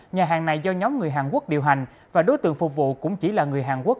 nhà hàng này do nhóm người hàn quốc điều hành và đối tượng phục vụ cũng chỉ là người hàn quốc